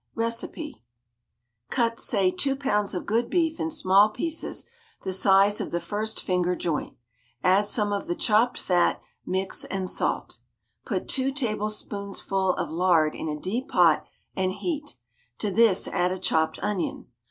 Kecipe Cut, say, two pounds of good beef in small pieces the size of the first finger joint. Add some of the chopped fat, mix and salt. Put two tablespoonsful of lard in a deep pot and heat. To this add a chopped onion.